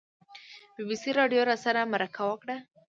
بي بي سي راډیو راسره مرکه وکړه.